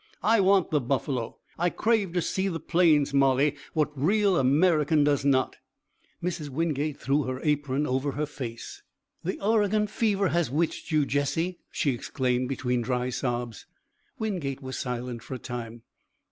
I want the buffalo. I crave to see the Plains, Molly. What real American does not?" Mrs. Wingate threw her apron over her face. "The Oregon fever has witched you, Jesse!" she exclaimed between dry sobs. Wingate was silent for a time.